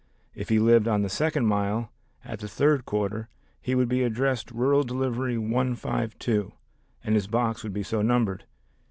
If he lived on the second mile at the third quarter he would be addressed Rural Delivery 152, and his box would be so numbered.